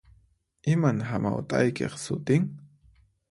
Iman hamawt'aykiq sutin?